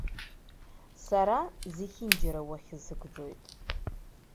Сара зехьынџьара уахьысыгӡоит.